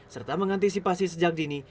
serta mengantisipasi sejak dini